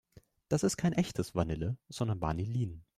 Das ist kein echtes Vanille, sondern Vanillin.